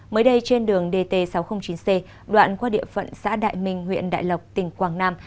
mới đây trên đường dt sáu trăm linh chín c đoạn qua địa phận xã đại minh huyện đại lộc tỉnh quảng nam